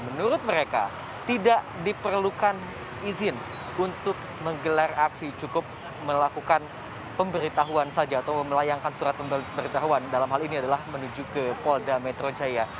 menurut mereka tidak diperlukan izin untuk menggelar aksi cukup melakukan pemberitahuan saja atau melayangkan surat pemberitahuan dalam hal ini adalah menuju ke polda metro jaya